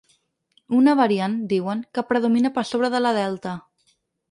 Una variant, diuen, que predomina per sobre de la delta.